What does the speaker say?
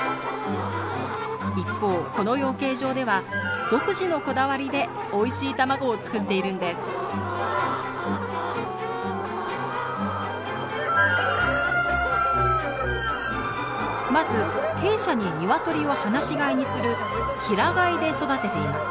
一方この養鶏場では独自のこだわりでおいしい卵を作っているんですまず鶏舎に鶏を放し飼いにする平飼いで育てています